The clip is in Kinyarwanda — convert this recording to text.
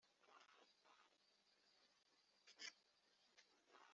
aho usanga umwirondoro w abahawe amafaranga y amahugurwa